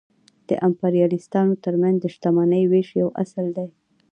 د امپریالیستانو ترمنځ د شتمنۍ وېش یو اصل دی